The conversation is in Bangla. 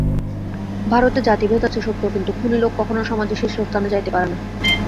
ভারতে জাতিভেদ আছে সত্য, কিন্তু খুনী লোক কখনও সমাজের শীর্ষস্থানে যাইতে পারে না।